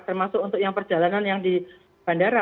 termasuk untuk yang perjalanan yang di bandara